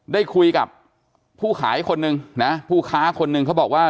ได้คุยกับผู้ขายคนหนึ่งนะผู้ค้าคนหนึ่งเขาบอกว่า